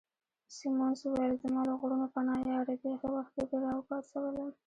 سیمونز وویل: زما له غرونو پناه یاره، بیخي وختي دي را وپاڅولم.